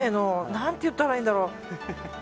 斜めの斜めの何て言ったらいいんだろう。